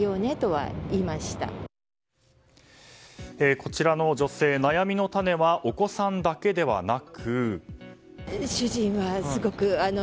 こちらの女性、悩みの種はお子さんだけではなく。